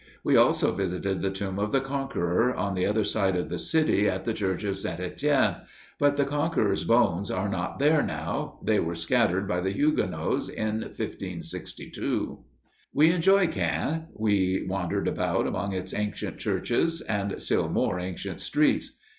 We also visited the tomb of the Conqueror, on the other side of the city at the church of St. Etienne. But the Conqueror's bones are not there now; they were scattered by the Huguenots in 1562. We enjoyed Caen. We wandered about among its ancient churches and still more ancient streets.